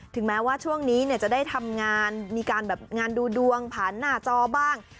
แม้ว่าช่วงนี้จะได้ทำงานมีการแบบงานดูดวงผ่านหน้าจอบ้าง